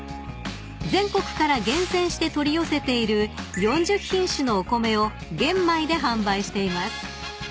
［全国から厳選して取り寄せている４０品種のお米を玄米で販売しています］